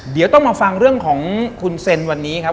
เดี๋ยวต้องมาฟังเรื่องของคุณเซ็นวันนี้ครับ